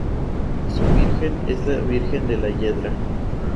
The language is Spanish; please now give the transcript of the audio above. Su virgen es la Virgen de la Yedra.